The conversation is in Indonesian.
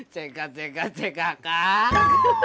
cekat cekat cek kakak